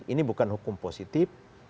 ini bukan hukum positif